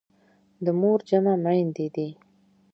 د مور جمع میندي دي.